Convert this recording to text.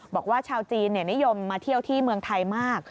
บอกว่าชาวจีนนิยมมาเที่ยวที่เมืองไทยมาก